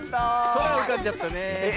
そらうかんじゃったねえ。